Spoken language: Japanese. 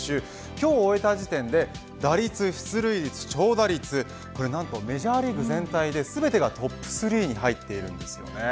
今日を終えた時点で打率、出塁率、長打率メジャーリーグ全体で全てがトップ３に入っています。